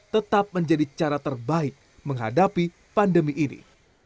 tetap menjadi cara terbaik menghadapi pandemi ini